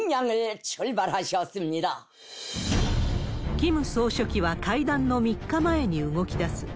キム総書記は会談の３日前に動きだす。